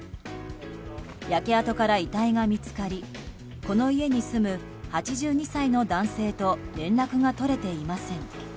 焼け跡から遺体が見つかりこの家に住む８２歳の男性と連絡が取れていません。